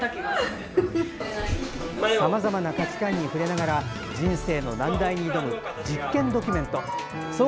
さまざまな価値観に触れながら人生の難題に挑む実験ドキュメント。